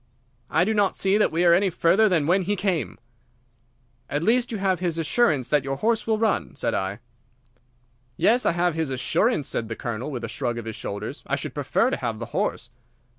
"I do not see that we are any further than when he came." "At least you have his assurance that your horse will run," said I. "Yes, I have his assurance," said the Colonel, with a shrug of his shoulders. "I should prefer to have the horse."